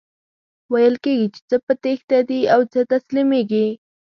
ویل کیږي چی څه په تیښته دي او څه تسلیمیږي.